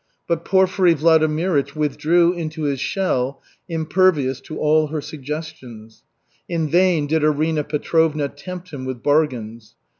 But Porfiry Vladimirych withdrew into his shell, impervious to all her suggestions. In vain did Arina Petrovna tempt him with bargains.